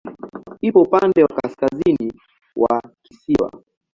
Iko upande wa kaskazini wa kisiwa.